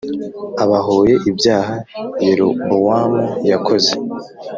abahoye ibyaha Yerobowamu yakoze